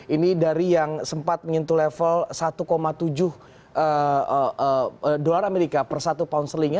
ini dari yang sempat menyentuh level satu tujuh dolar amerika per satu pound sterlingnya